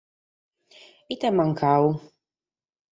Ite est mancadu?